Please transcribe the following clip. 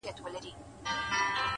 حکمت د تجربې مېوه ده،